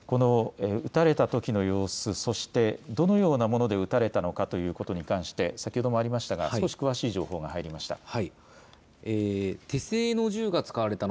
撃たれたときの様子、そしてどのようなもので撃たれたのかということに関して先ほどもありましたが少し詳しい情報が入りました。